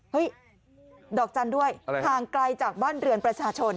ดอกจันทร์ด้วยห่างไกลจากบ้านเรือนประชาชน